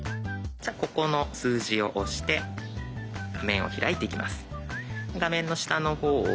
じゃここの数字を押して画面を開いていきます。